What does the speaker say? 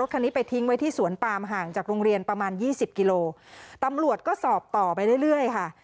รถคันนี้ไปทิ้งไว้ที่สวนปามห่างจากโรงเรียนประมาณยี่สิบกิโลตำรวจก็สอบต่อไปเรื่อยเรื่อยค่ะ